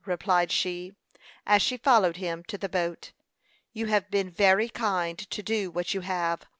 replied she, as she followed him to the boat. "You have been very kind to do what you have.